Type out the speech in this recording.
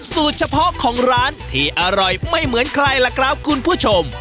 สูตรเฉพาะของร้านที่อร่อยไม่เหมือนใครล่ะครับคุณผู้ชม